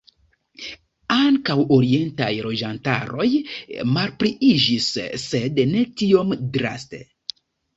Ankaŭ orientaj loĝantaroj malpliiĝis, sed ne tiom draste.